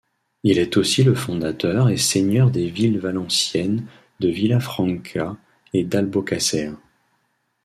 Il est aussi le fondateur et seigneur des villes valenciennes de Vilafranca et d'Albocàsser.